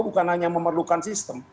bukan hanya memerlukan sistem